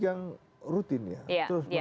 yang rutin ya ya